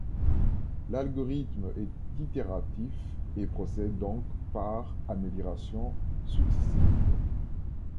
L'algorithme est itératif et procède donc par améliorations successives.